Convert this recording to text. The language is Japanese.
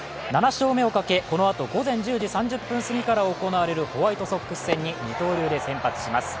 ７勝目をかけ、このあと午前１０時３０分すぎから行われるホワイトソックス戦に二刀流で先発します。